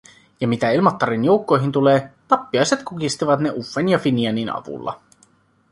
Ja mitä Ilmattaren joukkoihin tulee, tappiaiset kukistivat ne Uffen ja Finianin avulla.